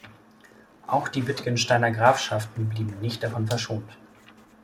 Auch die Wittgensteiner Grafschaften blieben nicht davon verschont.